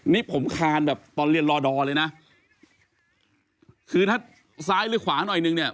นี่ผมคานแบบตอนเรียนรอดอเลยนะคือถ้าซ้ายหรือขวาหน่อยนึงเนี่ย